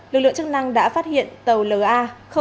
lực lượng chức năng đã phát hiện tàu l a bảy nghìn tám trăm linh một